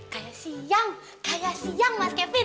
kayak siang kayak siang mas kevin